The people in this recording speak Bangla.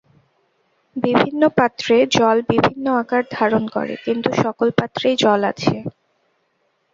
বিভিন্ন পাত্রে জল বিভিন্ন আকার ধারণ করে, কিন্তু সকল পাত্রেই জল আছে।